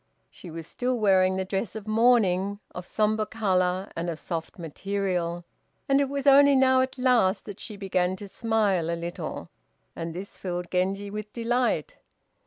She was still wearing the dress of mourning, of sombre color and of soft material, and it was only now at last that she began to smile a little, and this filled Genji with delight.